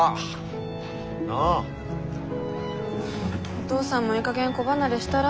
お父さんもいいかげん子離れしたら？